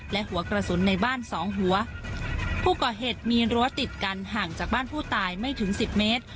และหัวกระสุนในบ้านสองหัวผู้ก่อเหตุมีรั้วติดกันห่างจากบ้านผู้ตายไม่ถึงสิบเมตร